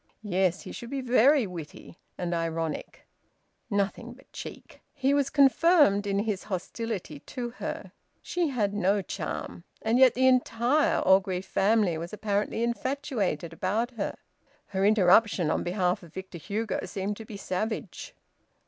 Yes, he should be very witty and ironic. "Nothing but cheek!" He was confirmed in his hostility to her. She had no charm, and yet the entire Orgreave family was apparently infatuated about her. Her interruption on behalf of Victor Hugo seemed to be savage.